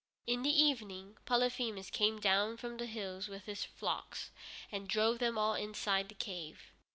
In the evening Polyphemus came down from the hills with his flocks and drove them all inside the cave.